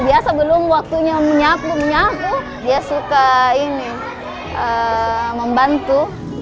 biasa belum waktunya menyapu menyapu dia suka membantu